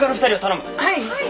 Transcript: はい！